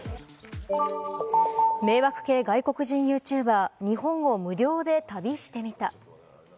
迷惑系外国人ユーチューバー、日本を無料で旅してみた。